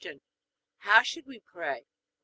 How should we pray? A.